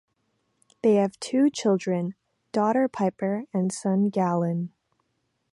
They have two children, daughter Pyper and son Galen.